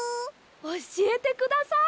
おしえてください。